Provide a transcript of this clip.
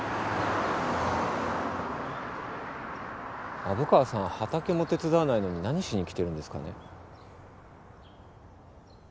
・虻川さん畑も手伝わないのに何しにきてるんですかね？